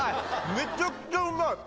めちゃくちゃうまい。